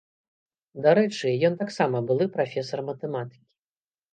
Дарэчы, ён таксама былы прафесар матэматыкі.